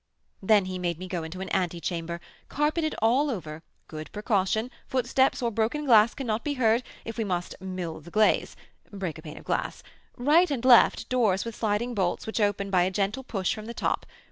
Then he made me go into the antechamber, carpeted all over; good precaution, footsteps or broken glass cannot be heard, if we must 'mill the glaze' (break a pane of glass); right and left, doors with sliding bolts, which open by a gentle push from the top.